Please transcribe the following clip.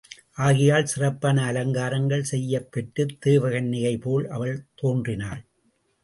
ஆகையால் சிறப்பான அலங்காரங்கள் செய்யப்பெற்றுத் தேவகன்னிகைபோல அவள் தோன்றினாள்.